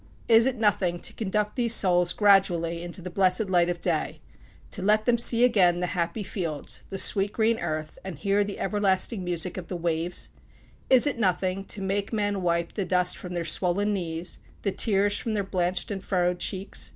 Is it nothing to conduct these souls gradually into the blessed light of day to let them see again the happy fields, the sweet, green earth, and hear the everlasting music of the waves? Is it nothing to make men wipe the dust from their swollen knees, the tears from their blanched and furrowed cheeks?